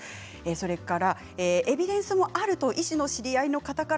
エビデンスがあると医師の知り合いの方から